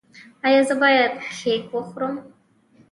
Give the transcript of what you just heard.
ایا زه باید کیک وخورم؟